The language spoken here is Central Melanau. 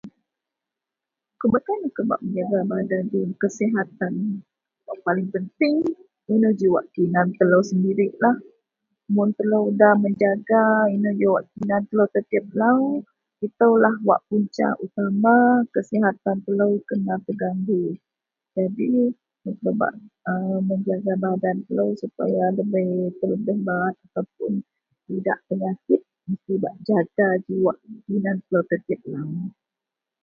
Kebetan kou bak mejaga badan jegem kesihatan, paling penting wak inou ji wak kinan telou sendiriklah , mun telou nda mejaga inou ji wak kinan telou tetiep lau itoulah wak punca utama kesihatan telou kena terganggu jadi bak bak a menjaga badan telou sepaya debei terlebeh baat ataupun idak penyakit, mesti bak jaga ji wak kinan telou tetiep lau.